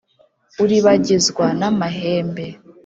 Uribagizwa n' amahembe;